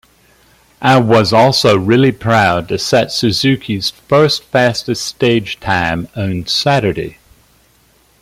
I was also really proud to set Suzuki's first fastest stage time on Saturday.